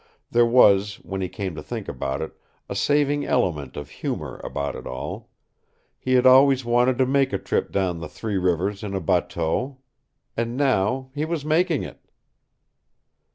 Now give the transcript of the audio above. There was, when he came to think about it, a saving element of humor about it all. He had always wanted to make a trip down the Three Rivers in a bateau. And now he was making it!